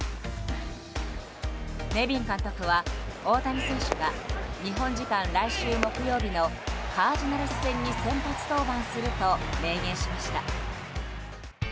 ネビン監督は大谷選手が日本時間来週木曜日のカージナルス戦に先発登板すると明言しました。